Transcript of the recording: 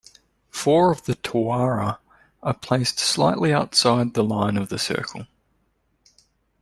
Four of the "tawara" are placed slightly outside the line of the circle.